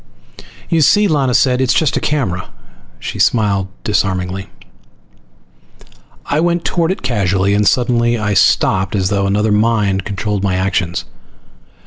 "You see?" Lana said. "It's just a camera." She smiled disarmingly. I went toward it casually, and suddenly I stopped as though another mind controlled my actions.